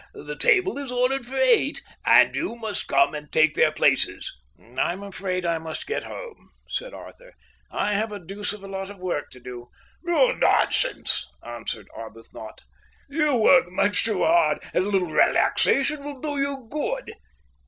The table is ordered for eight, and you must come and take their places." "I'm afraid I must get home," said Arthur. "I have a deuce of a lot of work to do." "Nonsense," answered Arbuthnot. "You work much too hard, and a little relaxation will do you good."